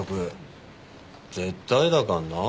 絶対だかんな。